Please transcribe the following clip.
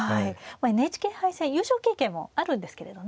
まあＮＨＫ杯戦優勝経験もあるんですけれどね。